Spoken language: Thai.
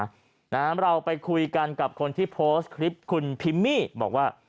ทางฟ้าบนสวรรค์นะเราไปคุยกันกับคนที่โพสต์คลิปคุณพิมมี่บอกว่า